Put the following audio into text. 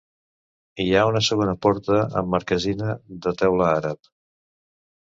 Hi ha una segona porta amb marquesina de teula àrab.